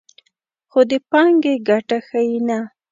خو د پانګې ګټه ښیي نه